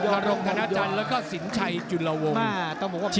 ธรรมธนาจันทร์แล้วก็สินชัยจุฬวงธ์